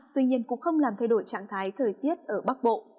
tuy nhiên cũng không làm thay đổi trạng thái thời tiết ở bắc bộ